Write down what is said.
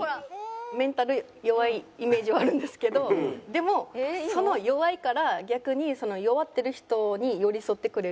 メンタル弱いイメージはあるんですけどでも弱いから逆に弱ってる人に寄り添ってくれる。